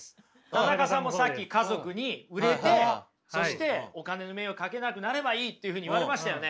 田中さんもさっき家族に売れてそしてお金の迷惑かけなくなればいいというふうに言われましたよね？